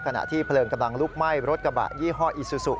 ขณะที่เพลิงกำลังลุกไหม้รถกระบะยี่ห้ออีซูซู